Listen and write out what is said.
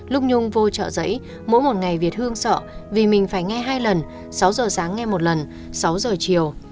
lúc nhung vô chợ dẫy mỗi một ngày việt hương sợ vì mình phải nghe hai lần sáu h sáng nghe một lần sáu h chiều